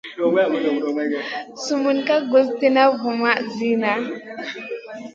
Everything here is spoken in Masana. Sumun ka guss tìna vun zina.